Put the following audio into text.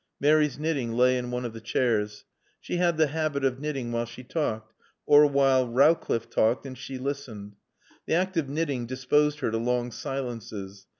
Mary's knitting lay in one of the chairs. She had the habit of knitting while she talked, or while Rowcliffe talked and she listened. The act of knitting disposed her to long silences.